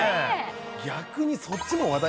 逆にそっちも話題。